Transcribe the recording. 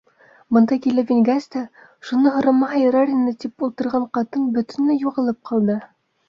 Бында килеп ингәс тә, шуны һорамаһа ярар ине тип ултырған ҡатын бөтөнләй юғалып ҡалды.